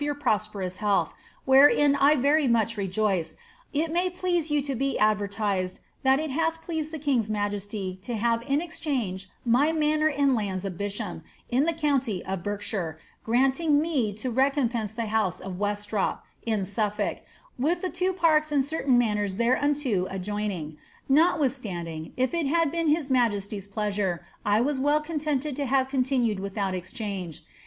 fttS •mr of yovLT prost^erous health, wherein I very much rejoice, it maj please yon be advertised that it hath pleased the king's migesty to have in exchange my anor and lands of Bisham, in the connty of Berkshire, granting me m recom mse the house of Westropp, in Sufiblkf with the two parks and certain manors ereunto adjoining; notwithstandiugf if it had been his highness' pleasure, I as well contented to have continued without exchange.